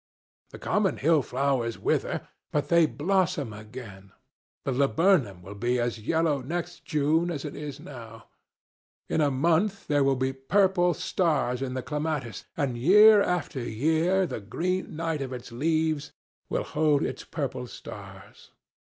The common hill flowers wither, but they blossom again. The laburnum will be as yellow next June as it is now. In a month there will be purple stars on the clematis, and year after year the green night of its leaves will hold its purple stars.